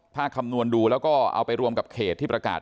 ถ้าคำนวณดูแล้วก็เอาไปรวมกับเขตที่ประกาศ